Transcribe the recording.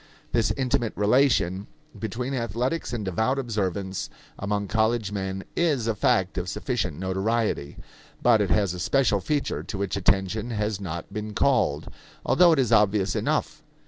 This intimate relation between athletics and devout observance among college men is a fact of sufficient notoriety; but it has a special feature to which attention has not been called, although it is obvious enough.